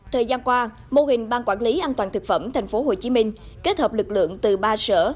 thời gian qua mô hình ban quản lý an toàn thực phẩm tp hcm kết hợp lực lượng từ ba sở